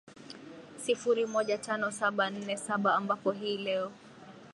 sifuri moja tano saba nne saba ambapo hii leo